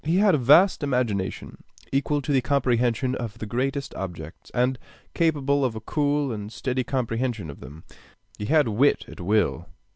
He had a vast imagination, equal to the comprehension of the greatest objects, and capable of a cool and steady comprehension of them. He had wit at will.